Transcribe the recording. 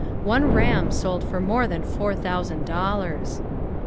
One ram sold for more than four thousand dollars.